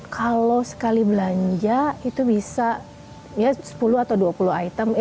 kalau sekali belanja itu bisa ya sepuluh atau dua puluh item